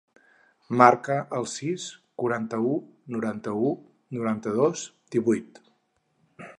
Marca el sis, quaranta-u, noranta-u, noranta-dos, divuit.